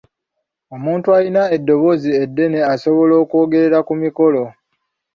Omuntu ayina eddoboozi eddene asobola okwogerera ku mikolo.